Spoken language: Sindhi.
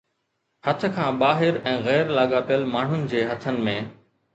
هٿ کان ٻاهر ۽ غير لاڳاپيل ماڻهن جي هٿن ۾